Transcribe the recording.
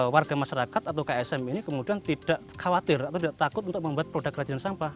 warga masyarakat atau ksm ini kemudian tidak khawatir atau tidak takut untuk membuat produk kerajinan sampah